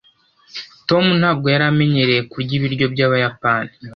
tom ntabwo yari amenyereye kurya ibiryo byabayapani